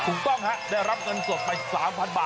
ถูกต้องฮะได้รับเงินสดไป๓๐๐บาท